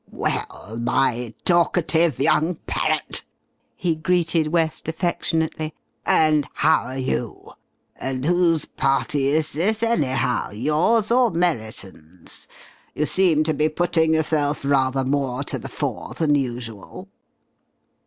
"Well, my talkative young parrot," he greeted West affectionately, "and how are you?... And who's party is this, anyhow? Yours or Merriton's? You seem to be putting yourself rather more to the fore than usual."